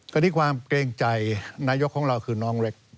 ก็ด้วยความเกรงใจนายกของเราคือน้องเล็ก